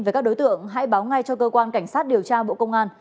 về các đối tượng hãy báo ngay cho cơ quan cảnh sát điều tra bộ công an